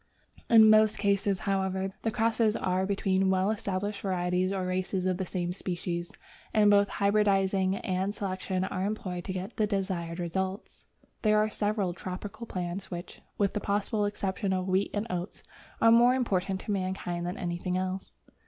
In most cases, however, the crosses are between well established varieties or races of the same species, and both hybridizing and selection are employed to get the desired result. There are several tropical fruits which, with the possible exception of wheat and oats, are more important to mankind than anything else.